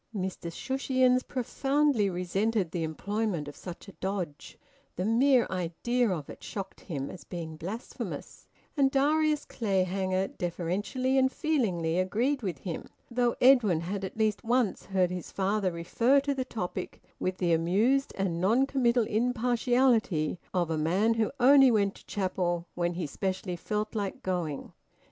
Mr Shushions profoundly resented the employment of such a dodge; the mere idea of it shocked him, as being blasphemous; and Darius Clayhanger deferentially and feelingly agreed with him, though Edwin had at least once heard his father refer to the topic with the amused and non committal impartiality of a man who only went to chapel when he specially felt like going.